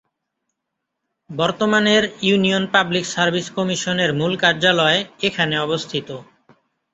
বর্তমানের union public service কমিশনের মূল কার্যালয় এখানে অবস্থিত।